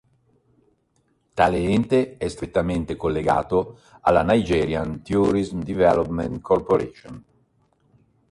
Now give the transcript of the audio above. Tale ente è strettamente collegato alla Nigerian Tourism Development Corporation.